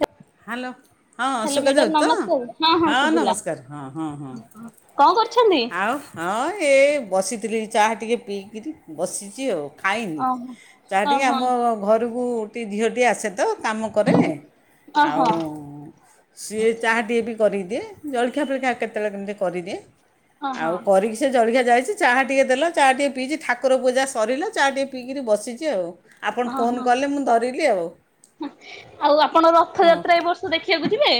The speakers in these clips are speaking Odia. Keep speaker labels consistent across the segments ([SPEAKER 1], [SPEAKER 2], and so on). [SPEAKER 1] ହେ
[SPEAKER 2] ହ୍ୟାଲୋ, ହଁ ସୁଗା ଯାଉଚି ତ ହଁ ନମସ୍କାର, ହଁ, ହଁ, ହଁ।
[SPEAKER 1] କଣ କରୁଛନ୍ତି?
[SPEAKER 2] ଆଉ ହଁ ଏ ବସିଥିଲି ଚାହା ଟିକି ପିଇକିରି ବସିଚି ଆଉ। ଖାଇନି,
[SPEAKER 1] ଓହୋ
[SPEAKER 2] ଚାହା ଟିକେ
[SPEAKER 1] ଓହୋ
[SPEAKER 2] ଆମ ଘରକୁ ଟି ଝିଅଟିଏ ଆସେ ତ କାମ କରେ,
[SPEAKER 1] ଓହୋ
[SPEAKER 2] ଆଉ ସିଏ ଚାହା ଟିକେ ବି କରିକିଦିଏ, ଜଳଖିଆ ଫଳଖିଆ ଆ, କେତେବେଳେ କେମିତି କରିଦିଏ।
[SPEAKER 1] ଓହୋ
[SPEAKER 2] ଆଉ କରି ସେ ଜଳଖିଆ ଯାଇଚି ଚାହା ଟିକେ ଦେଲା ଚା ଟିକିଏ ପିଇଚି, ଠାକୁର ପୂଜା ସରିଲେ ଚା ଟିକିଏ ପିଇିକିରି ବସିଚି ଆଉ। ଆପଣ
[SPEAKER 1] ଓ
[SPEAKER 2] ଫୋନ୍
[SPEAKER 1] ହଁ,
[SPEAKER 2] କଲେ ମୁଁ ଧରିଲି ଆଉ
[SPEAKER 1] ହଁ ଆଉ ଆପଣ
[SPEAKER 2] ହଁ
[SPEAKER 1] ରଥଯାତ୍ରା ଏ ବର୍ଷ ଷ ଦେଖିବାକୁ ଯିବେ?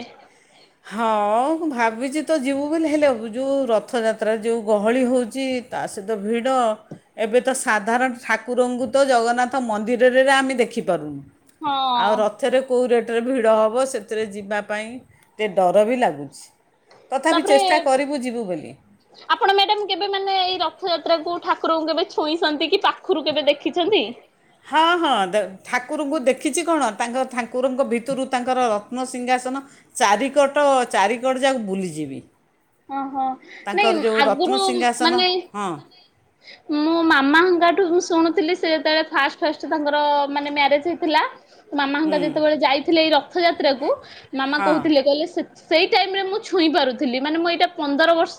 [SPEAKER 2] ହଁ ମୁଁ ଭାବିଚି ତ ଯିବୁ ବୋଲି ହେଲେ ଯୋଉ ରଥଯାତ୍ରା ରେ ଯୋଉ ଗହଳି ହଉଛି ତା ସହିତ ଭିଡ଼। ଏବେ ତ ସାଧାରଣ ଠାକୁରଙ୍କୁ ତ ଜଗନ୍ନାଥ ମନ୍ଦିରରେ ରେ ଆମେ ଦେଖିପାରୁନୁ। ଆଉ
[SPEAKER 1] ହଁ
[SPEAKER 2] ରଥରେ କୋଉ ରେଟ୍ ରେ ଭିଡ଼ ହବ ସେଥିରେ ଯିବା ପାଇଁ ଟିକେ ଡର ବି ଲାଗୁଛି, ତଥାପି
[SPEAKER 1] ତାପରେ
[SPEAKER 2] ଚେଷ୍ଟା କରିବୁ ଯିବୁ ବୋଲି।
[SPEAKER 1] ଆପଣ ମ୍ୟାଡ଼ାମ୍ କେବେ ମାନେ ଏଇ ରଥଯାତ୍ରା କୁ ଠାକୁରଙ୍କୁ କେବେ ଛୁଇଁଛନ୍ତି କି ପାଖରୁ କେବେ ଦେଖିଛନ୍ତି?
[SPEAKER 2] ହଁ, ହଁ ଦେ ଠାକୁରଙ୍କୁ ଦେଖିଛି କଣ ତାଙ୍କ ଠାକୁରଙ୍କ ଭିତୁରୁ ତାଙ୍କର ରତ୍ନସିଂହାସନ ଚାରିକଟ ଚାରିକଡ ଯାକ ବୁଲିଚି ବି।
[SPEAKER 1] ଓହୋ ନାଇଁ
[SPEAKER 2] ତାଙ୍କର ଯୋଉ
[SPEAKER 1] ଆଗରୁ
[SPEAKER 2] ରତ୍ନସିଂହାସନ
[SPEAKER 1] ମାନେ
[SPEAKER 2] ହଁ,
[SPEAKER 1] ମୁଁ ମୋ ମାମା ହେଙ୍କାଠୁ ମୁଁ ଶୁଣୁଥିଲି ସେ ଯେତେବେଳେ ଫାଷ୍ଟ ଫାଷ୍ଟ ତାଙ୍କର ମାନେ ମ୍ୟାରେଜ୍ ହେଇଥିଲା ମାମା ହେଙ୍କା
[SPEAKER 2] ହୁଁ
[SPEAKER 1] ଯେତେବେଳେ ଯାଇଥିଲେ ଏଇ ରଥଯାତ୍ରାକୁୁ ମାମା
[SPEAKER 2] ହଁ
[SPEAKER 1] କହୁଥିଲେ କହିଲେ ସେ ସେଇ ଟାଇମ୍ ରେ ମୁଁ ଛୁଇଁ ପାରୁଥିଲି ମାନେ ମୁଁ ଏଇଟା ପନ୍ଦର ବର୍ଷ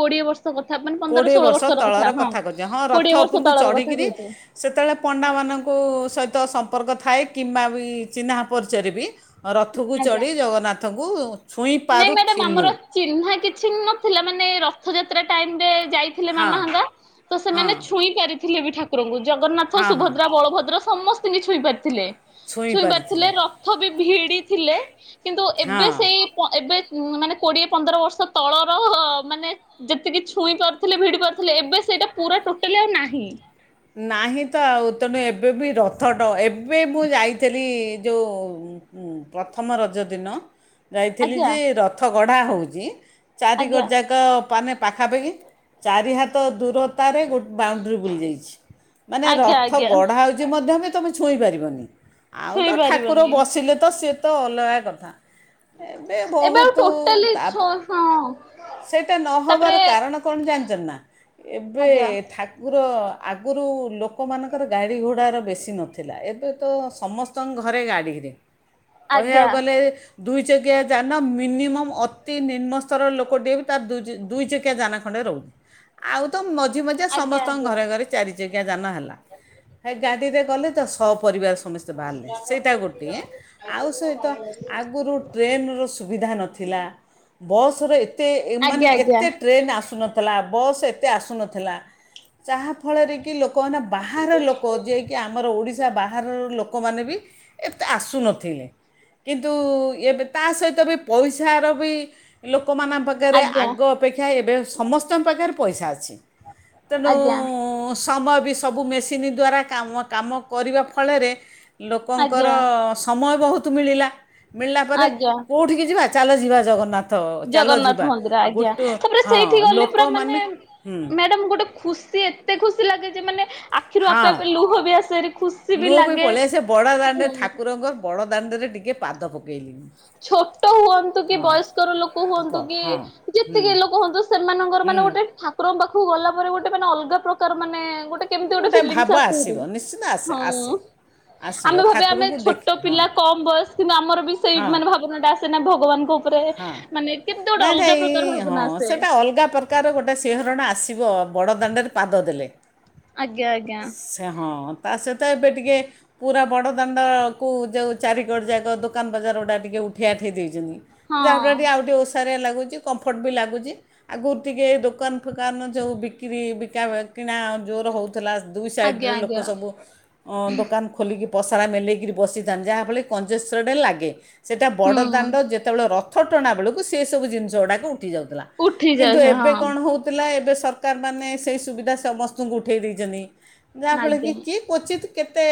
[SPEAKER 1] କୋଡିଏ ବର୍ଷ କଥା ମାନେ ପନ୍ଦର ଷୋହଳ ବର୍ଷ ବର୍ଷର
[SPEAKER 2] ତଳର
[SPEAKER 1] ହଁ
[SPEAKER 2] କଥା କହୁଚ, ହଁ ରଥ
[SPEAKER 1] କୋଡିଏ
[SPEAKER 2] ଉପରକୁ
[SPEAKER 1] ତଳର କଥା
[SPEAKER 2] ଚଢ଼ିକିରି
[SPEAKER 1] କହୁଛି
[SPEAKER 2] ସେତେବେଳେ ପଣ୍ଡାମାନଙ୍କୁ ସହିତ ସମ୍ପର୍କ ଥାଏ କିମ୍ବା ବି ଚିହ୍ନା ପରିଚୟରେ ବି ହଁ, ରଥକୁ
[SPEAKER 1] ଆଜ୍ଞା।
[SPEAKER 2] ଚଢ଼ି ଜଗନ୍ନାଥଙ୍କୁ ଛୁଇଁ
[SPEAKER 1] ନାଇଁ ମ୍ୟାଡାମ ଆମର
[SPEAKER 2] ପାରୁଥିଲୁ।
[SPEAKER 1] ଚିହ୍ନା କିଛି ନଥିଲା ମାନେ ରଥଯାତ୍ରା ଟାଇମ୍ ରେ ଯାଇ ଥିଲେ
[SPEAKER 2] ହଁ
[SPEAKER 1] ମାମା ହେଙ୍କା ତ
[SPEAKER 2] ହଁ
[SPEAKER 1] ସେମାନେ ଛୁଇଁ ପାରିଥିଲେ ବି ଠା ଠାକୁରଙ୍କୁ ଜଗନ୍ନାଥ,
[SPEAKER 2] ହଁ ହଁ
[SPEAKER 1] ସୁଭଦ୍ରା, ବଳଭଦ୍ର ସମସ୍ତିଙ୍କି ଛୁଇଁ ପାରିଥିଲେ, ଛୁଇଁ ପାରିଥିଲେ। ର ରଥ ବି ଭିଡି ଥିଲେ କିନ୍ତୁ ଏବେ
[SPEAKER 2] ହଁ
[SPEAKER 1] ସେଇ ତ ଏବେ ଉଁ, ମାନେ କୋଡିଏ ପନ୍ଦର ବର୍ଷ ତଳର ହୋ ମାନେ ଯେତିକି ଛୁଇଁ ପାରୁଥିଲେ, ଭିଡି ପାରୁଥିଲେ, ଏବେ ସେଇଟା ପୁରା ଟୋଟାଲି ଆଉ ନାହିଁ।
[SPEAKER 2] ନାହିଁ ତ ଆଉ ତେଣୁ ଏବେ ବି ରଥଟ ଏବେ ମୁଁ ଯାଇଥିଲି ଯୋଉ ଉଁ, ଉଁ, ପ୍ରଥମ ରଜ ଦିନ ଯାଇଥିଲି
[SPEAKER 1] ଆଜ୍ଞା
[SPEAKER 2] ଯେ ରଥ ଗଢ଼ା ହଉଚି,
[SPEAKER 1] ଆଜ୍ଞା
[SPEAKER 2] ଚାରିକଡ ଯାକ ତ ପାନେ ପାଖାପାଖି ଚାରି ହାତ ଦୂରତାରେ ଗୋ- ବାଉଣ୍ଡ୍ରି ବୁଲିଯାଇଛି। ମାନେ
[SPEAKER 1] ଆଜ୍ଞା
[SPEAKER 2] ରଥ
[SPEAKER 1] ଆଜ୍ଞା
[SPEAKER 2] ଗଢ଼ା ହଉଛି ମଧ୍ୟ ବି ତୋମେ ଛୁଇଁ ପାରିବନି। ଆଉ ତ
[SPEAKER 1] ଛୁଇଁ
[SPEAKER 2] ଠାକୁର
[SPEAKER 1] ପାରିବନି
[SPEAKER 2] ବସିଲେ ତ ସିଏ ତ ଅଲଗା କଥା। ଏବେ
[SPEAKER 1] ଆଉ
[SPEAKER 2] ବହୁତୁ
[SPEAKER 1] ଟୋଟାଲି
[SPEAKER 2] ତାପ
[SPEAKER 1] ହଁ
[SPEAKER 2] ସେଇଟା ନ ହବାର
[SPEAKER 1] ତାପରେ
[SPEAKER 2] କାରଣ କଣ ଜାଣିଚନି ନା ଏବେ
[SPEAKER 1] ଆଜ୍ଞା
[SPEAKER 2] ଠାକୁର ଆଗରୁ ଲୋକମାନଙ୍କର ଗାଡ଼ି ଘୋଡ଼ାର ବେଶୀ ନଥିଲା, ଏବେ ତ ସମସ୍ତଙ୍କ ଘରେ ଗାଡ଼ିିରେ।
[SPEAKER 1] [unintelligible]
[SPEAKER 2] କହିବାକୁ ଗଲେ ଦୁଇ ଚକିଆ ଯାନ ମିନିମମ୍ ଅତି ନିମ୍ନସ୍ତର ଲୋକଟିଏ ବି ତାର ଦୁଇ ଚକିଆ ଯାନ ଖଣ୍ଡେ ରହୁ ଆଉ ତ ମଝି ମଝିଆ
[SPEAKER 1] ଆଜ୍ଞା
[SPEAKER 2] ସମସ୍ତଙ୍କ
[SPEAKER 1] ଆଜ୍ଞା
[SPEAKER 2] ଘରେ ଘରେ ଚାରି ଚକିଆ ଯାନ ହେଲା। ଭାଇ ଗାଡ଼ିରେ ଗଲେ ତ ସ ପରିବାର ସମସ୍ତେ ବାହାରିଲେ ସେଇଟା ଗୋଟିଏ। ଆଉ ସହିତ ଆଗରୁ ଟ୍ରେନ ର ସୁବିଧା ନଥିଲା। ବସର ଏତେ ମାନେ
[SPEAKER 1] ଆଜ୍ଞା
[SPEAKER 2] ଏତେ ଟ୍ରେନ୍ ଆସୁନ ଥିଲା ବସ ଏତେ ଆସୁନଥିଲା, ଯାହା ଫଳରେ କି କି ଲୋକମାନେ ବାହାର ଲୋକ, ଯିଏକି ଆମର ଓଡ଼ିଶା ବାହାରର ଲୋକମାନେ ବି ଏତେ ଆସୁନଥିଲେ, କିନ୍ତୁ ଏବେ ତା ସହିତ ବି ପଇସାର ବି ଲୋକମାନଙ୍କ ପାଖରେ
[SPEAKER 1] ଆଜ୍ଞା ଆଜ୍ଞା
[SPEAKER 2] ଆଗ ଅପେକ୍ଷା ଏବେ ସମସ୍ତଙ୍କ ପାଖରେ ପଇସା ଅଛି। ତେଣୁ
[SPEAKER 1] ଆଜ୍ଞା
[SPEAKER 2] ସମୟ ବି ସବୁ ମେସିନ୍ ଦ୍ଵାରା କାମ କାମ କରିବା ଫଳରେ
[SPEAKER 1] ଆଜ୍ଞା
[SPEAKER 2] ଲୋକଙ୍କର ସମୟ ବହୁତ ମିଳିଲା। ମିଳିଲା ପରେ
[SPEAKER 1] ଆଜ୍ଞା
[SPEAKER 2] କୋଉଠିକି ଯିବା, ଚାଲ ଯିବା ଜଗନ୍ନାଥ ଚାଲ
[SPEAKER 1] ଜଗନ୍ନାଥ
[SPEAKER 2] ଯିବା
[SPEAKER 1] ମନ୍ଦିର ଆଜ୍ଞା,
[SPEAKER 2] ଗୋଟେ
[SPEAKER 1] ତାପରେ
[SPEAKER 2] ହଁ
[SPEAKER 1] ସେଇଠି ଗଲେ ପୁରା ମାନେ
[SPEAKER 2] ଲୋକମାନେ ହୁଁ
[SPEAKER 1] ମ୍ୟାଡାମ ଗୋଟେ ଖୁସି ଏତେ ଖୁସି ଲାଗେ ଯେ ମାନେ ଆଖିରୁ ଆପେ
[SPEAKER 2] ହଁ
[SPEAKER 1] ଆପେ ଲୁହ ବି ଆସେରି, ଖୁସି ବି
[SPEAKER 2] ଲୁହ
[SPEAKER 1] ଲାଗେ, ହୁଁ।
[SPEAKER 2] ବଡ଼ଦାଣ୍ଡରେ ଟିକେ ପାଦ ପକେଇଲି ମୁଁ।
[SPEAKER 1] ଛୋଟ ହୁଅନ୍ତୁ କି ବୟସ୍କର ଲୋକ ହୁଅନ୍ତୁ
[SPEAKER 2] ହଁ
[SPEAKER 1] କି
[SPEAKER 2] ହୁଁ
[SPEAKER 1] ଯେତିକି ଲୋକ ହୁଅନ୍ତୁ ସେମାନଙ୍କର
[SPEAKER 2] ହୁଁ
[SPEAKER 1] ମାନେ ଗୋଟେ ଠା ଠାକୁରଙ୍କ ପାଖକୁ ଗଲା ପରେ ଗୋଟେ ମାନେ ଅଲଗା ପ୍ରକାର ମାନେ ଗୋଟେ କେମିତି ଗୋଟେ
[SPEAKER 2] ଭାବ
[SPEAKER 1] ଫିଲିଂସ ଆସେ
[SPEAKER 2] ଆସିବ
[SPEAKER 1] ଭାରି,
[SPEAKER 2] ନିଶ୍ଚିନ୍ତ ଆସେ ଆସେ
[SPEAKER 1] ହଁ।
[SPEAKER 2] ଆସିବ
[SPEAKER 1] ଆମେ ଭାବିବା, ଆମେ
[SPEAKER 2] ଠାକୁରଙ୍କୁ ଦେଖ
[SPEAKER 1] ଛୋଟ
[SPEAKER 2] ହଁ
[SPEAKER 1] ପିଲା କମ ବୟସ କିନ୍ତୁ ଆମର ବିଷେଷ ସେ
[SPEAKER 2] ହଁ
[SPEAKER 1] ମାନେ ଭାବନା ଟା ଆସେ ନା ଭଗବାନଙ୍କ ଉପରେ
[SPEAKER 2] ହଁ।
[SPEAKER 1] ମାନେ କେମିତି ଗୋଟେ
[SPEAKER 2] ନାଇଁ
[SPEAKER 1] ଅଲଗା
[SPEAKER 2] ନାଇଁ
[SPEAKER 1] ପ୍ରକାର
[SPEAKER 2] ହଁ
[SPEAKER 1] ଭାବନା ଆସେ।
[SPEAKER 2] ସେଇଟା ଅଲଗା ପ୍ର ପ୍ରକାର ଗୋଟେ ସିଂହରଣ ଆସିବ ବଡ଼ ଦାଣ୍ଡରେ ପାଦ ଦେଲେ।
[SPEAKER 1] ଆଜ୍ଞା ଆଜ୍ଞା।
[SPEAKER 2] ସେ ହଁ ତା ସହିତ ଏବେ ଟିକେ ପୁରା ବଡ଼ ଦାଣ୍ଡକୁ ଯେଉଁ ଚାରି କଡ଼ ଯାକ ଦୋକାନ ବଜାର ଗୁଡ଼ା ଟିକେ ଉଠେଇ ଆଠେଇ ଦେଇଛନ୍ତି। ଯାହା ପ୍ରତି
[SPEAKER 1] ହଁ
[SPEAKER 2] ଆଉ ଟିକେ ଓଷାରିଆ ଲାଗୁଛି, କମ୍ଫର୍ଟ ବି ଲାଗୁଛି। ଆଗରୁ ଟିକେ ଦୋକାନ ଫୋକାନ ଯୋଉ ବିକ୍ରି ବିକା କିଣା ଜୋର ହଉ ଥିଲା ଦୁଇ ସାଇଡ
[SPEAKER 1] ଆଜ୍ଞା
[SPEAKER 2] ରେ ଲୋକ
[SPEAKER 1] ଆଜ୍ଞା
[SPEAKER 2] ସବୁ ଦୋକାନ ଖୋଲିକି ପସରା ମେଲେଇକିରି ବସିଥାନ୍ତି ଯାହାଫଳରେ କି କଂଜୁଷ୍ଟ୍ଡ ଲାଗେ ସେଇଟା ବଡ଼
[SPEAKER 1] ହୁଁ।
[SPEAKER 2] ଦାଣ୍ଡ ଯେ ସେତେବେଳେ ରଥ ଟଣା ବେଳକୁ ସେ ସବୁ ଜିନିଷ ଗୁଡାକ ଉଠି ଯାଉଥିଲା,
[SPEAKER 1] ଉଠି
[SPEAKER 2] କିନ୍ତୁ
[SPEAKER 1] ଯାଉଛ
[SPEAKER 2] ଏବେ
[SPEAKER 1] ହଁ
[SPEAKER 2] କଣ ହଉ ଥିଲା ଏବେ ସରକାରମାନେ ସେଇ ସୁବିଧା ସମସ୍ତଙ୍କୁ ଉଠେଇ ଦେଇଛନ୍ତି, ଯାହାଫଳରେ
[SPEAKER 1] ଆଜ୍ଞା
[SPEAKER 2] କି
[SPEAKER 1] ହୁଁ
[SPEAKER 2] କି କୁଚିତ୍ କେତେ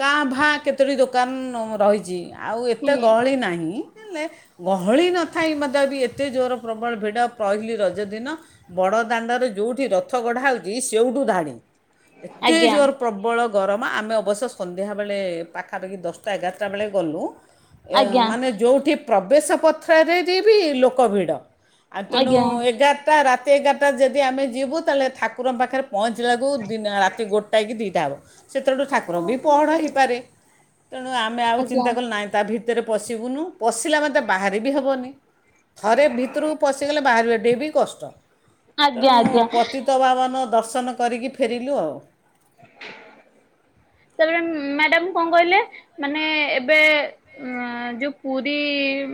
[SPEAKER 2] କାଁ ଭାଁ କେତୋଟି ଦୋକାନ ରହିଛି। ଆଉ ଏତେ ଗହଳି ନାହିଁ। ହେଲେ ଗହଳି ନଥାଇ ମଧ୍ୟ ବି ଏତେ ଜୋର ପ୍ରବଳ ଭିଡ଼ ପହିଲି ରଜଦିନ ବଡ଼ ଦାଣ୍ଡରେ ଯୋଉଠି ରଥ ଗଢା ହେଉଛି ସେଉଠୁ ଧାଡି।
[SPEAKER 1] ଆଜ୍ଞା।
[SPEAKER 2] ଏତେ
[SPEAKER 1] ଆଜ୍ଞା
[SPEAKER 2] ଜୋର ପ୍ରବଳ ଗରମ ଆମେ ଅବଶ୍ୟ ସନ୍ଧ୍ୟା ବେଳେ ପାଖାପାଖି ଦଶ ଦଶଟା ଏଗାରଟା ବେଳେ ଗଲୁ, ଏ
[SPEAKER 1] ଆଜ୍ଞା
[SPEAKER 2] ମାନେ ଯୋଉ ଗଠିଏ ପ୍ରବେଶ ପଥ୍ରରେ ବି ଲୋକ ଭିଡ଼, ଆଉ ତେଣୁ
[SPEAKER 1] ଆଜ୍ଞା
[SPEAKER 2] ଏଗାର ତା ରାତି ଏଗାରଟା ଯଦି ଆମେ ଯିବୁ ତାହେଲେ ଠାକୁରଙ୍କ ପାଖରେ ପହଞ୍ଚିଲାକୁ ଦିନ ରାତି ଗୋଟା କି ଦୁଇଟା ହେବ। ସେତେବେଳୁ ଠାକୁର ବି ପହଡ଼ ହେଇପାରେ ତେଣୁ ଆମେ ଆଉ
[SPEAKER 1] ଆଜ୍ଞା
[SPEAKER 2] ଚିନ୍ତା କଲୁ ନାହିଁ। ତା ଭିତରେ ପଶିବୁନୁ। ପଶିଲା ମାତେ ବାହରିବି ହବନି ଥରେ ଭିତରକୁ ପଶିଗଲେ ବାହାରିବାଟି ବି କଷ୍ଟ।
[SPEAKER 1] ଆଜ୍ଞା ଆଜ୍ଞା।
[SPEAKER 2] ତପାବନ ଦର୍ଶନ କରିକି ଫେରିଲୁ ଆଉ।
[SPEAKER 1] ତାପରେ ମ୍ୟାଡାମ କଣ କହିଲେ ମାନେ ଏବେ ଏଁ ଯୋଉ ପୁରୀ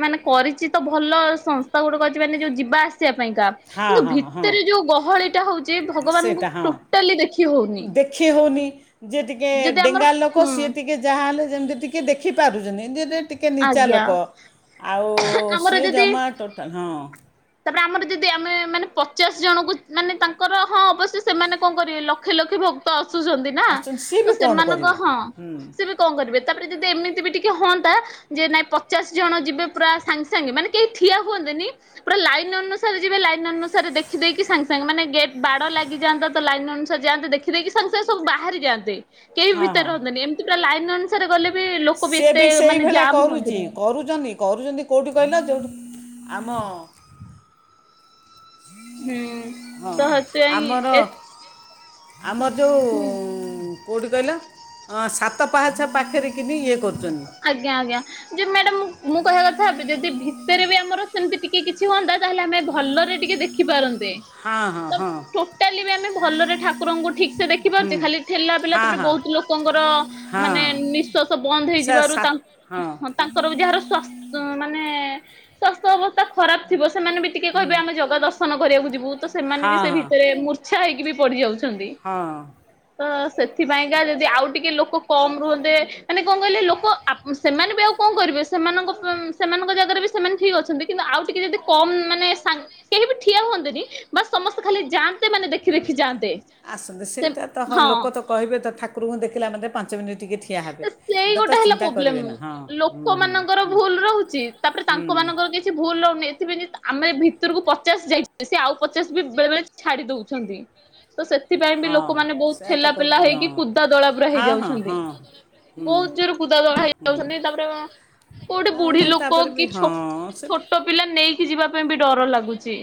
[SPEAKER 1] ମାନେ କରିଚି ତ ଭଲ ସଂସ୍ଥା ଗୋଟେ କରିଚି ମାନେ ଯୋଉ ଯିବା ଆସିବା ପାଇଁକା।
[SPEAKER 2] ହଁ
[SPEAKER 1] କିନ୍ତୁ
[SPEAKER 2] ହଁ ହଁ
[SPEAKER 1] ଭିତରେ ଯୋଉ ଗହଳି ଟା ହଉଚି ଭଗବାନଙ୍କୁ
[SPEAKER 2] ସେଇଟା ହଁ
[SPEAKER 1] ଟୋଟାଲି ଦେଖି ହଉନି।
[SPEAKER 2] ଦେଖି ହଉନି ଯିଏ ଟିକେ
[SPEAKER 1] ଯଦି ଆମର
[SPEAKER 2] ଡେଙ୍ଗା ଲୋକ
[SPEAKER 1] ହୁଁ
[SPEAKER 2] ସିଏ ଟିକ୍- ଟିକେ ଯାହା ହେଲେ ଯେମିତି ଟିକେ ଦେଖି ପାରୁଚନ୍ତିି। ଟିକେ ନିଚା
[SPEAKER 1] ଆଜ୍ଞା
[SPEAKER 2] ଲୋକ ଆଉ
[SPEAKER 1] ଆମର
[SPEAKER 2] ସିଏ
[SPEAKER 1] ଯଦି
[SPEAKER 2] ଜମା ଟୋଟାଲ୍ ହଁ -
[SPEAKER 1] ତାପରେ ଆମର ଯଦି ଆମେ ମାନେ ପଚାଶ ଜଣଙ୍କୁ ମାନେ ତାଙ୍କର ହଁ ଅବଶ୍ୟ ସେମାନେ କଣ କରିବେ ଲକ୍ଷେ ଲକ୍ଷେ ଭ ତ ଆସୁସନ୍ତି ନା
[SPEAKER 2] ଆସୁଛନ୍ତି ସିଏ
[SPEAKER 1] ତ
[SPEAKER 2] ବି କ'ଣ
[SPEAKER 1] ସେମାନଙ୍କ
[SPEAKER 2] କରିବେ
[SPEAKER 1] ହଁ
[SPEAKER 2] ହୁଁ
[SPEAKER 1] ସେବି କଁ କରିବେ ତାପରେ ଯଦି ଏମିତି ବି ଟିକେ ହଅନ୍ତା। ଯେ ନାଇଁ ପଚାଶ ଜଣ ଯିବେ ପୁରା ସାଙ୍ଗେ ସାଙ୍ଗେ ମାନେ କେହି ଠିଆ ହୁଅନ୍ତେନି। ଲାଇନ୍ ଅନୁସାରେ ଯିବେ ଲାଇନ୍ ଅନୁସାରେ ଦେଖିଦେଇକି ସାଙ୍ଗେ ସାଙ୍ଗେ ମାନେ ଗେଟ୍ ବାଡ଼ ଲାଗିଯାଆନ୍ତା ତ ଲାଇନ୍ ଅନୁସାରେ ଯାଆନ୍ତେ ଦେଖ୍ ଦେଖି ଦେଇକି ସାଙ୍ଗେ ସାଙ୍ଗେ ସବୁ ବାହାରି ଯାଆନ୍ତେ, କେହି ବି
[SPEAKER 2] ହଁ ହଁ
[SPEAKER 1] ଭିତରେ ରହନ୍ତେନି ଏମିତି ପୁରା ଲାଇନ୍ ଅନୁ ସା ଥରେ ଗଲେ ବି ଲୋକ ବି ଏତେ ମାନେ ଜାମ୍ ହୁଅନ୍ତିନି।
[SPEAKER 2] କରୁଛନି କରୁଚନ୍ତି କୋଉଠି କହିଲ ଯୋଉଠି ଆମ
[SPEAKER 1] ହୁଁ
[SPEAKER 2] ହଁ
[SPEAKER 1] ତ ସେଥିପାଇଁ
[SPEAKER 2] ଆମର
[SPEAKER 1] ଏ
[SPEAKER 2] ଆମର ଯୋଉ
[SPEAKER 1] ହୁଁ।
[SPEAKER 2] କୋଉଠି କହିଲ ସାତ ପାହାଚ ପାଖରେ କିିନି ଇଏ କରୁଚନ୍ତି।
[SPEAKER 1] ଆଜ୍ଞା ଆଜ୍ଞା। ଯେ ମ୍ୟାଡାମ, ମୁଁ କହିବା କଥା ଏବେ ଯଦି ଭିତରେ ବି ଆମର ସେମିତି ଟିକେ କିଛି ହୁଅନ୍ତା, ତାହେଲେ ଆମେ ଭଲରେ ଟିକେ ଦେଖି- ଖି ପାରନ୍ତେ।
[SPEAKER 2] ହଁ ହଁ
[SPEAKER 1] ତ
[SPEAKER 2] ହଁ।
[SPEAKER 1] ଟୋଟାଲି ବି ଆମେ ଭଲରେ ଠାକୁରଙ୍କୁ ଠିକ ସେ
[SPEAKER 2] ହୁଁ
[SPEAKER 1] ଦେଖିପାରୁଛେ? ଖାଲି ଠେଲା ପେଲା
[SPEAKER 2] ହଁ
[SPEAKER 1] ତାପରେ
[SPEAKER 2] ହଁ
[SPEAKER 1] ବହୁତ୍ ଲୋକଙ୍କର
[SPEAKER 2] ହଁ
[SPEAKER 1] ମାନେ ନିଃଶ୍ଵାସ ବନ୍ଦ
[SPEAKER 2] ସେ
[SPEAKER 1] ହେଇଯିବାରୁ
[SPEAKER 2] ସା
[SPEAKER 1] ତାଙ୍କୁ ହଁ- ତାଙ୍କର ବି ଯାହାର ସ୍ବାସ୍ଥ ମାନେ ସ୍ୱାସ୍ଥ୍ୟ ଅବସ୍ଥା ଖରାପ ଥିବ ସେମାନେ ବି- ଟିକେ
[SPEAKER 2] ହୁଁ,
[SPEAKER 1] କହିବେ ଆମେ ଜଗା ଦର୍ଶନ କରିବାକୁ ଯିବୁ, ତ ସେମାନେ ବି
[SPEAKER 2] ହଁ
[SPEAKER 1] ସେ
[SPEAKER 2] ହଁ
[SPEAKER 1] ଭିତରେ ମୂର୍ଚ୍ଛା ହେଇକି ବି ପଡ଼ି ଯାଉଛନ୍ତି।
[SPEAKER 2] ହଁ।
[SPEAKER 1] ତ ସେଥିପାଇଁକା ଯଦି ଆଉ ଟିକେ ଲୋକ କମ୍ ରୁହନ୍ତେ ମାନେ କଣ କହିଲେ ଲୋକ୍ କ ଆପ୍ ସେମାନେ ବି ଆଉ କଣ କରିବେ ସେମାନଙ୍କ ପଁ ସେମାନଙ୍କ ଜାଗାରେ ବି ସେମାନେ ଠିକ ଅଛନ୍ତି। କିନ୍ତୁ ଆଉ ଟିକେ ଯଦି କମ୍ ମାନେ ସାଙ୍ଗ୍ କେହି ବି ଠିଆ ହୁଅନ୍ତେନି। ବାସ୍ ସମସ୍ତେ ଖାଲି ଯାଆନ୍ତେ। ମାନେ ଦେଖି ଦେଖି ଯାଆନ୍ତେ।
[SPEAKER 2] ଆସନ୍ତୁ
[SPEAKER 1] ସେ
[SPEAKER 2] ସେଇଟା ତ ହଁ ଲୋକ ତ କହିବେ ତ ଠାକୁରଙ୍କୁ ଦେଖିଲା ମାନେ ପାଞ୍ଚ ମିନିଟ୍ ଟିକେ ଠିଆ ହେବେ।
[SPEAKER 1] ସେଇ
[SPEAKER 2] ଦାତା
[SPEAKER 1] ଗୋଟେ ହେଲା
[SPEAKER 2] ଚିନ୍ତା
[SPEAKER 1] ପ୍ରୋବ୍ଲେମ।
[SPEAKER 2] କରିବେ ନା ହଁ ହୁଁ ହୁଁ
[SPEAKER 1] ଲୋକମାନଙ୍କର
[SPEAKER 2] ହୁଁ।
[SPEAKER 1] ଭୁଲ ରହୁଛି ତାପରେ
[SPEAKER 2] ହୁଁ
[SPEAKER 1] ତାଙ୍କ ମାନଙ୍କର ବି କି ଭୁଲ ରହୁନି ଏଥିପାଇଁ ଯଦ୍ ଆମେ ଭିତରକୁ ପଚାଶ୍ ଯାଇଛେ। ସେ ଆଉ ପଚାଶ୍ ବି ବେଳେ ବେଳେ ଛାଡି ଦଉଛନ୍ତି। ତ ସେଥିପାଇଁ ବି
[SPEAKER 2] ହଁ
[SPEAKER 1] ଲୋକମାନେ ବହୁତ
[SPEAKER 2] ସେୟା ତ
[SPEAKER 1] ଠେଲାପେଲା
[SPEAKER 2] କରୁଛନ୍ତି ହଁ
[SPEAKER 1] ହେଇକି କୁଦା ଦଳା ପୁରା
[SPEAKER 2] ହଁ ହଁ
[SPEAKER 1] ହେଇଯାଉଛନ୍ତି।
[SPEAKER 2] ହଁ ହୁଁ
[SPEAKER 1] ବହୁତ ଜୋର କୁଦା ଦଳା ହେଇଯାଉଛନ୍ତି ତାପରେ କୋଉଠି
[SPEAKER 2] ଆଉ
[SPEAKER 1] ବୁଢୀ
[SPEAKER 2] ନା
[SPEAKER 1] ଲୋକ
[SPEAKER 2] ତାପରେ ବି
[SPEAKER 1] କି ଛୋଟ୍
[SPEAKER 2] ହଁ ସେଠି
[SPEAKER 1] ଛୋଟ ପିଲା ନେଇକି ଯିବା ପାଇଁ ବି ଡର ଲାଗୁଛି।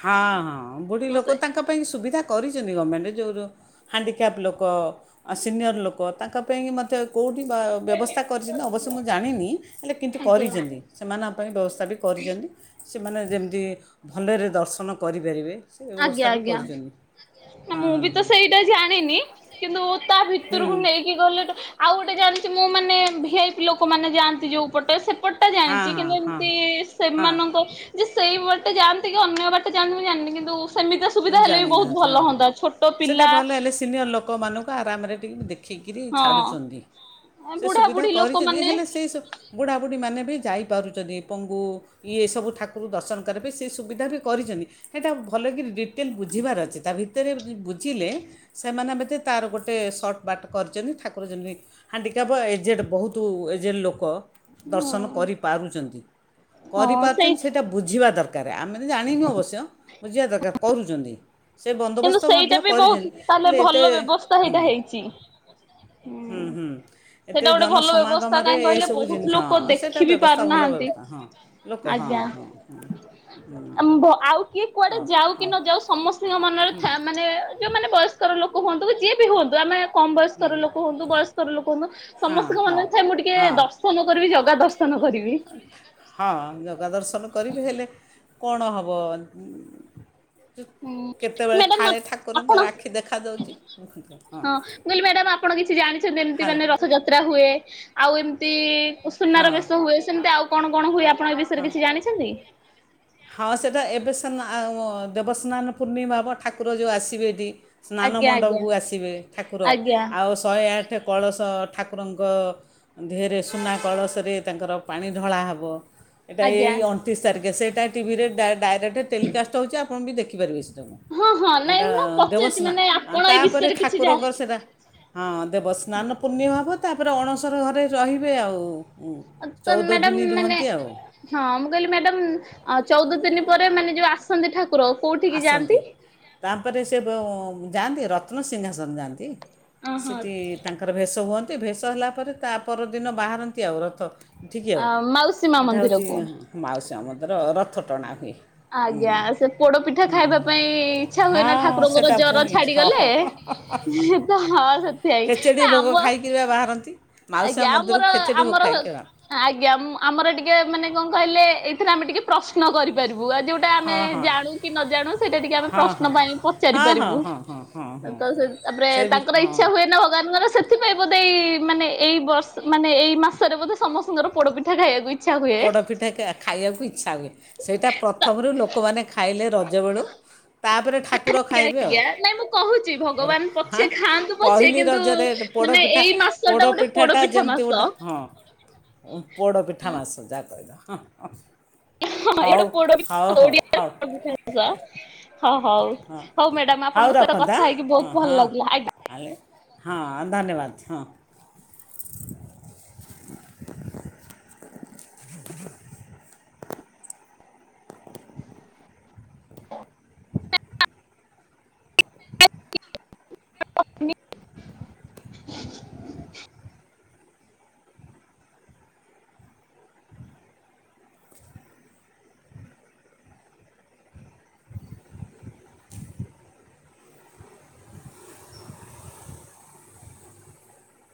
[SPEAKER 2] ହଁ ହଁ ବୁଢ଼ି
[SPEAKER 1] ତ ସେ
[SPEAKER 2] ଲୋକ ତାଙ୍କ ପାଇଁ ସୁବିଧା କରିଚନ୍ତି ଗମେଣ୍ଟେ ଯୋଉର। ହାଣ୍ଡିକ୍ୟାପ୍ ଲୋକ ସିନିୟର ଲୋକ ତାଙ୍କ ପାଇଁକି ମୋତେ କୋଉଠି ବା ବ୍ୟବସ୍ଥା କରିଚନ୍ତି ଅବଶ୍ୟ ମୁଁ ଜାଣିନି ହେଲେ କିନ୍ତୁ
[SPEAKER 1] ଆଜ୍ଞା
[SPEAKER 2] କରିଚନ୍ତି। ସେମାନଙ୍କ ପାଇଁ ବ୍ୟବସ୍ଥା ବି କରିଛନ୍ତି ସେମାନେ ଯେମିତି ଭଲରେ ଦର୍ଶନ କରିପାରିବେ। ସେ
[SPEAKER 1] ଆଜ୍ଞା
[SPEAKER 2] ବ୍ୟବସ୍ଥା ବି
[SPEAKER 1] ଆଜ୍ଞା
[SPEAKER 2] କରିଚନ୍ତି।
[SPEAKER 1] ମୁଁ ବି ତ ସେଇଟା ଜାଣିନି କିନ୍ତୁ ତା
[SPEAKER 2] ହଁ
[SPEAKER 1] ଭିତରକୁ ନେଇକି ଗଲାଠୁ ଆଉ ଗୋଟେ ଜାଣିଚି ମୁଁ ମାନେ ଭିଆଇପି ଲୋକମାନେ ଯାଆନ୍ତି ଯୋଉ ପଟେ ସେ ପଟଟା
[SPEAKER 2] ହଁ
[SPEAKER 1] ଜାଣିଚି
[SPEAKER 2] ହଁ
[SPEAKER 1] କିନ୍ତୁ
[SPEAKER 2] ହଁ
[SPEAKER 1] ଏମିତି
[SPEAKER 2] ହଁ
[SPEAKER 1] ସେମାନଙ୍କ ଯେ ସେଇ ବାଟେ ଯାଆନ୍ତି କି ଅନ୍ୟ ବାଟେ ଯାନ୍ତିକି ମୁଁ ଜାଣିନି କିନ୍ତୁ ସେମିତି ସୁବିଧା ହେଲେ ବି ବହୁତ
[SPEAKER 2] ଜାଣିନାହାନ୍ତି ହଁ
[SPEAKER 1] ଭଲ
[SPEAKER 2] ହଁ
[SPEAKER 1] ହୁଅନ୍ତା ଛୋଟ
[SPEAKER 2] ସେଇଟା
[SPEAKER 1] ପିଲା
[SPEAKER 2] ଭଲ ହେଲେ ସିନିୟର ଲୋକମାନଙ୍କୁ ଆରାମରେ ଟିକେ ଦେଖ୍ ଦେଖିକିରି
[SPEAKER 1] ହଁ
[SPEAKER 2] ଛାଡ଼ୁଚନ୍ତି ସେ
[SPEAKER 1] ବୁଢା
[SPEAKER 2] ସୁବିଧା
[SPEAKER 1] ବୁଢୀ
[SPEAKER 2] କରିଚନ୍ତି
[SPEAKER 1] ଲୋକମାନେ
[SPEAKER 2] ହେଲେ ସେଇ ସବୁ ବୁଢ଼ାବୁଢ଼ୀମାନେ ବି ଯାଇପାରୁଚନ୍ତି ପଙ୍ଗୁ ଇଏ ସବୁ ଠାକୁର ଦର୍ଶନ କରିବା ପାଇଁ ସେ ସୁବିଧା ବି କରିଚନ୍ତି ହେଟା ଭଲକିରି ଡିଟ୍ କେମିନ୍ତି ବୁଝିବାର ଅଛି ଭିତରେ ବୁଝିଲେ ସେମାନେ ମୋତେ ତାର ଗୋଟେ ସର୍ଟ ବାଟ କରିଚନ୍ତି, ଠାକୁର ଯେମତି ହାଣ୍ଡିକ୍ୟାପ ଏଜେଡେ ବୋହୁତୁ ଏଜେଡେ ଲୋକ। ଦର୍ଶନ
[SPEAKER 1] ହଁ
[SPEAKER 2] କରିପାରୁଚନ୍ତି
[SPEAKER 1] ହଁ ସେଇ
[SPEAKER 2] କରିପାରୁଚନ୍ତି ସେଠ ସେଇଟା ବୁଝିବା ଦରକାର ଆମେ ତ ଜାଣିନୁ ଅବଶ୍ୟ ବୁଝିବା ଦରକାର କରୁଚନ୍ତି।
[SPEAKER 1] କିନ୍ତୁ ସେଇଟା ବି ବୋଉତ ତାହଲେ
[SPEAKER 2] ହେଲେ ଏତେ
[SPEAKER 1] ଭଲ ବ୍ୟବସ୍ଥା
[SPEAKER 2] ହୁଁ
[SPEAKER 1] ସେଇଟା ହେଇଚି।
[SPEAKER 2] ହୁଁ ହୁଁ ଏତେ ଜନସମାଗମରେ
[SPEAKER 1] କାହିଁ କହିଲେ
[SPEAKER 2] ଏଇସବୁ
[SPEAKER 1] ବହୁତ
[SPEAKER 2] ଜିନିଷ
[SPEAKER 1] ଲୋକ
[SPEAKER 2] ହଁ ସେଇଟା
[SPEAKER 1] ଦେଖି ବିି
[SPEAKER 2] ବ୍ୟବସ୍ଥା ଭଲ
[SPEAKER 1] ପାରୁନାହାନ୍ତି।
[SPEAKER 2] ବ୍ୟବସ୍ଥା ହଁ। ଲୋକ ହଁ
[SPEAKER 1] ଆଜ୍ଞା।
[SPEAKER 2] ହଁ ହୁଁ।
[SPEAKER 1] ଆଉ କିଏ କୁଆଡେ ଯାଉ କି ନ ଯାଉ ସମସ୍ତଙ୍କ ମନରେ
[SPEAKER 2] ହୁଁ।
[SPEAKER 1] ଥା ମାନେ ଯୋଉମାନେ ବୟସ୍କର ଲୋକ ହୁଅନ୍ତୁ ବା ଯିଏ ବି ହୁଅନ୍ତୁ ଆମେ କମ ବୟସ୍କର ଲୋକ ହୁଅନ୍ତୁ ବୟସ୍କ ଲୋକ ହୁଅ
[SPEAKER 2] ହଁ
[SPEAKER 1] ସମସ୍ତଙ୍କ
[SPEAKER 2] ହଁ
[SPEAKER 1] ମନେରେ ଥାଏ ମୁଁ ଟିକେ
[SPEAKER 2] ହଁ
[SPEAKER 1] ଦର୍ଶନ କରିବି ଜଗା ଦର୍ଶନ କରିବି।
[SPEAKER 2] ହଁ। ଜଗା ଦର୍ଶନ କରିବି, ହେଲେ କଣ ହବ।
[SPEAKER 1] ହୁଁ
[SPEAKER 2] କେତେବେଳେ
[SPEAKER 1] ମ୍ୟାଡାମ
[SPEAKER 2] ଫାଳେ
[SPEAKER 1] ଆପଣ
[SPEAKER 2] ଠାକୁରଙ୍କର ଆଖି ଦେଖାାଯାଉଚି ହଁ।
[SPEAKER 1] ମୁଁ କହିଲି ମ୍ୟାଡ଼ାାମ ଆପଣ କିଛି ଜାଣିଛନ୍ତି ଏମିତି
[SPEAKER 2] ହ୍ୟାଲୋ
[SPEAKER 1] ମାନେ ରଥଯାତ୍ରା ହୁଏ ଆଉ ଏମିତି ସୁନାର
[SPEAKER 2] ହଁ
[SPEAKER 1] ବେଶ ହୁଏ ସେମିତି ଆଉ କଣ କଣ ହୁଏ ଆପଣ ଏ ବିଷୟରେ କିଛି ଜାଣିଛନ୍ତି?
[SPEAKER 2] ହଁ ସେଇଟା ଏବେ ସିନା ଦେବସ୍ନାନ ପୂର୍ଣ୍ଣିମା ପା ଠାକୁର ଯୋଉ ଆସିବେ ଏଠି। ସ୍ନାନ
[SPEAKER 1] ଆଜ୍ଞା ଆଜ୍ଞା
[SPEAKER 2] ମଣ୍ଡପକୁ ଆସିବେ ଠାକୁର
[SPEAKER 1] ଆଜ୍ଞା
[SPEAKER 2] ଆଉ ଶହେ ଆଠେ କଳସ ଠାକୁରଙ୍କ ଦେହରେ ସୁନା କଳସରେ ତାଙ୍କର ପାଣି ଢଳା ହେବ। ଏଇଟା
[SPEAKER 1] ଆଜ୍ଞା।
[SPEAKER 2] ଏଇ ଅଣତିରିଶି ତାରିଖ ସେଇଟା ଟିଭିରେ ଡାଇରେକ୍ଟ ଟେଲିକାଷ୍ଟ ହେଉଚି ଆପଣ ବି ଦେଖିପାରିବେ ସେଇଟା କୁ।
[SPEAKER 1] ହଁ ହଁ ନାଇଁ
[SPEAKER 2] ଏଟା
[SPEAKER 1] ମୁଁ ପଚାରୁଛି
[SPEAKER 2] ଦେବସ୍ନା
[SPEAKER 1] ମାନେ
[SPEAKER 2] ଆ
[SPEAKER 1] ଆପଣ ଏଇ
[SPEAKER 2] ତାପରେ
[SPEAKER 1] ବିଷୟରେ କିଛି ଯା
[SPEAKER 2] ଠାକୁରଙ୍କର ସେଇଟା। ହଁ ଦେବସ୍ନାନ ପୂର୍ଣିମା ହବ। ତାପରେ ଅଣସର ଘରେ ରହିବେ ଆଉ।
[SPEAKER 1] ତ
[SPEAKER 2] ଚଉଦ
[SPEAKER 1] ମ୍ୟାଡାମ
[SPEAKER 2] ଦିନି
[SPEAKER 1] ମାନେ
[SPEAKER 2] ରୁହନ୍ତି ଆଉ।
[SPEAKER 1] ହଁ ମୁଁ କହିଲି ମ୍ୟାଡାମ ଚଉଦ ଦିନି ପରେ ମାନେ ଯୋଉ ଆସନ୍ତି ଠାକୁ ପ୍ରୋର କୋଉଠି?
[SPEAKER 2] ଆସନ୍ତି ତାପରେ ସେ ବୋ ଯାଆନ୍ତି ରତ୍ନସିଂହାସନ ଯାଆନ୍ତି।
[SPEAKER 1] ଅ ହଁ
[SPEAKER 2] ସେଠି ତାଙ୍କର ଭେଷ ହୁଅନ୍ତି ଭେଷ ହେଲା ପରେ ତା ପରଦିନ ବାହାରନ୍ତି ଆଉ ରଥ। ଏଠିକି ଆଉ
[SPEAKER 1] ମାଉସୀ ମା
[SPEAKER 2] ହେଟା ହୋଉଚି
[SPEAKER 1] ମନ୍ଦିରକୁ।
[SPEAKER 2] ମାଉସୀ ମା ମନ୍ଦିର ରଥ ଟଣା ହୁଏ। ହୁଁ
[SPEAKER 1] ଆଜ୍ଞା ସେ ପୋଡ ପିଠା ଖାଇବା ପାଇଁ ଇଚଛା ହୁଏନା
[SPEAKER 2] ହଁ
[SPEAKER 1] ଠାକୁରଙ୍କର
[SPEAKER 2] ସେଟା
[SPEAKER 1] ଜର
[SPEAKER 2] ପୁଣି
[SPEAKER 1] ଛାଡିଗଲେ
[SPEAKER 2] ହଁ
[SPEAKER 1] ତ ହଁ ସେ ସୋଇ
[SPEAKER 2] ଖେଚେଡ଼ି
[SPEAKER 1] ନା
[SPEAKER 2] ଭୋଗ
[SPEAKER 1] ଆମ
[SPEAKER 2] ଖାଇକି ବା ବାହାରନ୍ତି ମାଉସୀ ମା
[SPEAKER 1] ଆଜ୍ଞା ଆମର
[SPEAKER 2] ମନ୍ଦିରକୁ ଖେଚେଡ଼ି ଭୋଗ
[SPEAKER 1] ଆମର
[SPEAKER 2] ଖାଇକି ବା
[SPEAKER 1] ଆଜ୍ଞା ମୁଁ ଆମର ଟିକେ ମାନେ କଣ କହିଲେ ଏଇଥିରେ ଆମେ ଟିକେ ପ୍ରଶ୍ନ କରିପାରିବୁ ଆ ଯୋଉ ସେଟା ଆମେ
[SPEAKER 2] ହଁ ହଁ
[SPEAKER 1] ଜାଣୁ କି ନ ଜାଣୁ ସେଇଟା ଟିକେ ଆମେ
[SPEAKER 2] ହଁ ହଁ
[SPEAKER 1] ପ୍ରଶ୍ନ ପାଇଁ ପଚାରି
[SPEAKER 2] ହଁ
[SPEAKER 1] ପାରିବୁ।
[SPEAKER 2] ହଁ ହଁ ହଁ ହଁ
[SPEAKER 1] ତ ସେ
[SPEAKER 2] ହଁ
[SPEAKER 1] ତାପରେ
[SPEAKER 2] ସେ ବି
[SPEAKER 1] ତାଙ୍କର
[SPEAKER 2] ହଁ
[SPEAKER 1] ଇଚ୍ଛା ହୁଏ ନା ଭଗବାନଙ୍କର ସେ ସେଥିପାଇଁ ବୋଧେ ଏଇ ମାନେ ଏଇ ବର୍ଷ ମାନେ ଏଇ ମାସରେ ବୋଧେ ସମସ୍ତଙ୍କର ପୋଡ ପିଠା ଖାଇବାକୁ ଇ
[SPEAKER 2] ପୋଡ଼ପିଠା କା ଖାଇବାକୁ ଇଚ୍ଛା ହୁଏ ସେଇଟା ପ୍ର
[SPEAKER 1] ତ
[SPEAKER 2] ଥମରୁ ଲୋକମାନେ ଖାଇଲେ ରଜ ବେଳୁ ତାପରେ ଠାକୁର ଖାଇବେ
[SPEAKER 1] ଆଜ୍ଞା ନାଇଁ ମୁଁ କହୁଛି
[SPEAKER 2] ଆଉ।
[SPEAKER 1] ଭଗବାନ
[SPEAKER 2] ହାଁ
[SPEAKER 1] ପଛେ ଖାଆନ୍ତୁ ପଛେ
[SPEAKER 2] ପହିଲି
[SPEAKER 1] କିନ୍ତୁ
[SPEAKER 2] ରଜରେ
[SPEAKER 1] ମାନେ
[SPEAKER 2] ପୋଡ଼ପିଠା
[SPEAKER 1] ଏଇ ମାସ ଟା ଗୋଟେ
[SPEAKER 2] ପୋଡ଼ପିଠାଟା
[SPEAKER 1] ପୋଡପିଠା
[SPEAKER 2] ଯେମିତି
[SPEAKER 1] ମାସ
[SPEAKER 2] ଗୋଟେ ହଁ। ଉଁ ପୋଡ଼ ପିଠା ମାସ ଯା କହିଲ ହଁ ହଁ।
[SPEAKER 1] ହଁ
[SPEAKER 2] ହଉ ହଉ ହଉ ହଉ।
[SPEAKER 1] ଯ ହଁ ହଉ ହଉ ମ୍ୟାଡାମ
[SPEAKER 2] ହଉ
[SPEAKER 1] ଆପଣଙ୍କ ସହିତ
[SPEAKER 2] ରଖନ୍ତୁ
[SPEAKER 1] କଥା ହେଇକି ବହୁତ୍ ଭଲ ଲାଗିଲା ଆଜ୍ଞା।
[SPEAKER 2] ଆଁ ଲେ ହଁ ଧନ୍ୟବାଦ ହଁ। [inaudible] [inaudible]
[SPEAKER 1] [unintelligible]